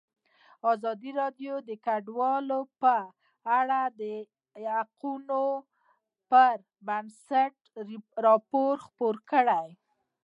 ازادي راډیو د کډوال په اړه د حقایقو پر بنسټ راپور خپور کړی.